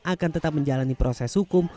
akan tetap menjalani proses hukum